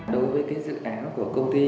đối với cái dự án của công ty